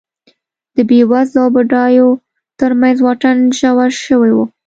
د بېوزلو او بډایو ترمنځ واټن ژور شوی و